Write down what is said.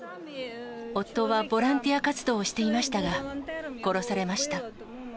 夫はボランティア活動をしていましたが、殺されました。